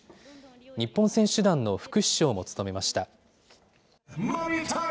日本選手団の副主将も務めました。